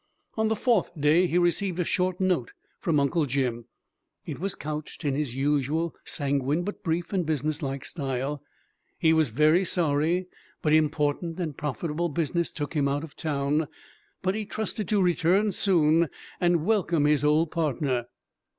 On the fourth day he received a short note from Uncle Jim; it was couched in his usual sanguine but brief and business like style. He was very sorry, but important and profitable business took him out of town, but he trusted to return soon and welcome his old partner.